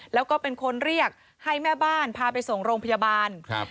แล้วก็เป็นคนเรียกให้แม่บ้านพาไปส่งโรงพยาบาลครับ